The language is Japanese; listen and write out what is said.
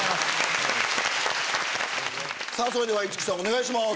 それでは市來さんお願いします。